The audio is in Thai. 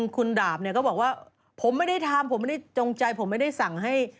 คุณดาบเนี่ยก็บอกว่าผมไม่ได้ทำผมไม่ได้จงใจผมไม่ได้สั่งให้